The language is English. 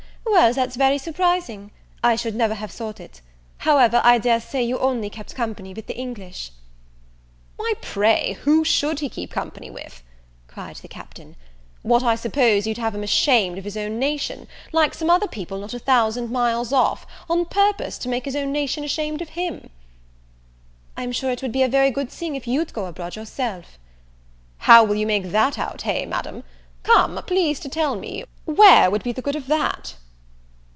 "Well, that's very surprising! I should never have thought it: however, I dare say you only kept company with the English." "Why, pray, who should he keep company with?" cried the Captain: "what I suppose you'd have him ashamed of his own nation, like some other people not a thousand miles off, on purpose to make his own nation ashamed of him?" "I'm sure it would be a very good thing if you'd go abroad yourself." "How will you make out that, hey, Madam? come, please to tell me, where would be the good of that?"